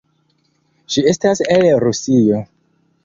Ŝi estas el Rusio.